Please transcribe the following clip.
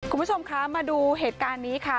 คุณผู้ชมคะมาดูเหตุการณ์นี้ค่ะ